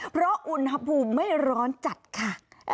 เพราะอุณหภูมิไม่ร้อนจัดค่ะ